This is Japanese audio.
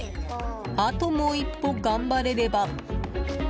あと、もう１歩頑張れれば。